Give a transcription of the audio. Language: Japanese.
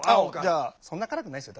そんな辛くないですよ